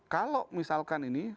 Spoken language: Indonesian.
kalau misalkan ini